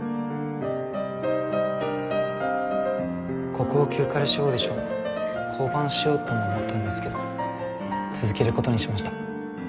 国宝級彼氏オーディション降板しようとも思ったんですけど続けることにしました。